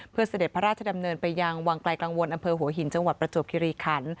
เพื่อเสด็จพระราชดำเนินไปยังวังไกลกังวลอำเภอหัวหินจังหวัดประจวบคิริขัน